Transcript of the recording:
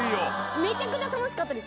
めちゃくちゃ楽しかったです。